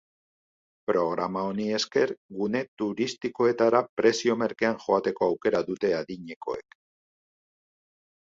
Programa honi esker, gune turistikoetara prezio merkean joateko aukera dute adinekoek.